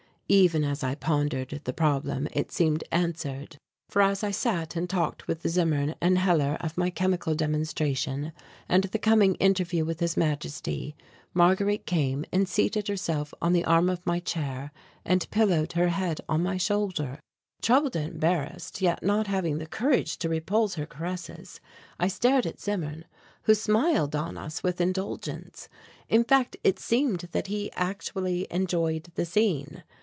Even as I pondered the problem it seemed answered, for as I sat and talked with Zimmern and Hellar of my chemical demonstration and the coming interview with His Majesty, Marguerite came and seated herself on the arm of my chair and pillowed her head on my shoulder. Troubled and embarrassed, yet not having the courage to repulse her caresses, I stared at Zimmern, who smiled on us with indulgence. In fact it seemed that he actually enjoyed the scene.